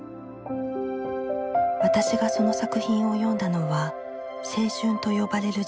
私がその作品を読んだのは青春と呼ばれる時代を過ぎてから。